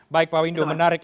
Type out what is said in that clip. baik pak windu menarik